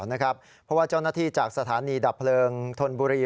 เพราะว่าเจ้าหน้าที่จากสถานีดับเพลิงธนบุรี